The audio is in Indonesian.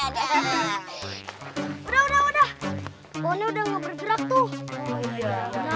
binatangnya udah gak ada